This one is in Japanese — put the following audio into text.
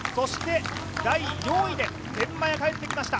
第４位で天満屋が帰ってきました。